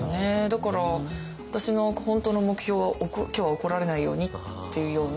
だから私の本当の目標は「今日は怒られないように」っていうような。